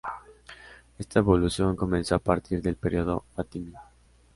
Esta evolución comenzó a partir del período fatimí.